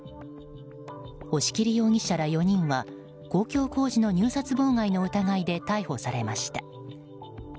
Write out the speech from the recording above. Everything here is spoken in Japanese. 押切容疑者ら４人は公共工事の入札妨害の疑いで逮捕されました。